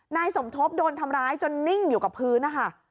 นายสมทบโดนทำร้ายจนนิ่งอยู่กับพื้นนะคะ